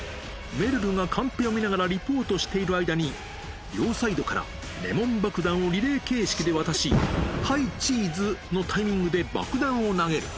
めるるがカンペを見ながらリポートしている間に、両サイドからレモン爆弾をリレー形式で渡し、はいチーズ！のタイミングで爆弾を投げる。